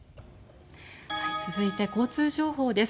続いて交通情報です。